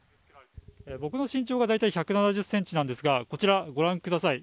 僕の身長が大体１７０ｃｍなんですがこちら、ご覧ください。